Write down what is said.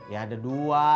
ya ada dua